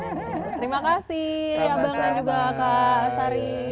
terima kasih juga kak sari